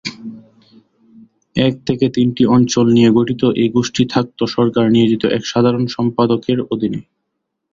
এক থেকে তিনটি অঞ্চল নিয়ে গঠিত এই গোষ্ঠী থাকত সরকার নিয়োজিত এক সাধারণ সম্পাদকের অধীনে।